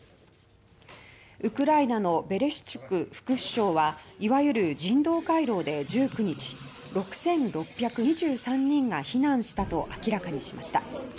ウクライナのベレシュチュク副首相はいわゆる「人道回廊」で１９日６６２３人が避難したと明らかにしました。